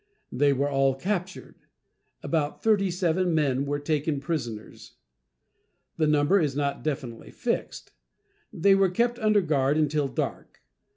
They were all captured. About thirty seven men were taken prisoners. The number is not definitely fixed. They were kept under guard until dark.